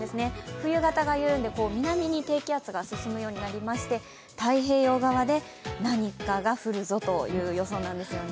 冬型が緩んで南に低気圧が進むようになりまして、太平洋側で何かが降るぞという予想なんですよね。